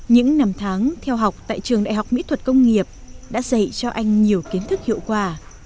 những năm tháng theo học tại trường đại học mỹ thuật công nghiệp đã dạy cho anh nhiều kiến thức hiệu quả